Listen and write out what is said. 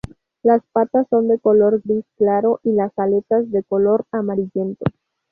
Las patas son de color gris claro y las aletas de color amarillento.